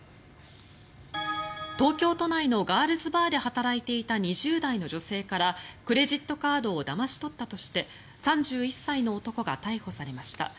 東京都内のガールズバーで働いていた２０代の女性からクレジットカードをだまし取ったとして３１歳の男が逮捕されました。